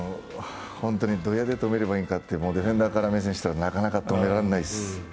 本当にどうやって止めればいいんだってディフェンダー目線からしたら、なかなか止められないです。